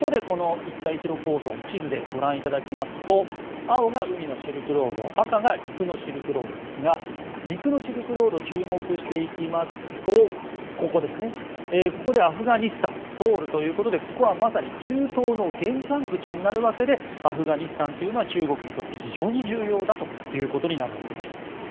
一帯一路構想を地図でご覧いただきますと青が海のシルクロード赤が陸のシルクロードですが陸のシルクロードを注目していきますとアフガニスタンを通るということでここは中東の玄関口になるわけでアフガニスタンというのは中国にとって非常に重要だということになるわけです。